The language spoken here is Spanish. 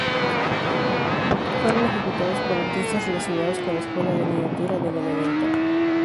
Fueron ejecutados por artistas relacionados con la escuela de miniatura de Benevento.